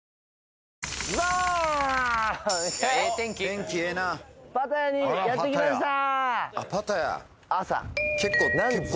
天気ええなパタヤにやって来ました朝何時？